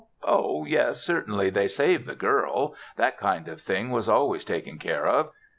Oh, yes, certainly they saved the girl. That kind of thing was always taken care of.